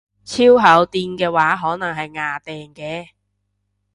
超厚墊嘅話可能係掗掟嘅